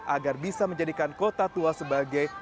agar bisa menjadikan kota tua sebagai